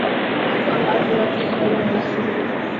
ni watu wangapi watu gani unawatakia kuwatakia idd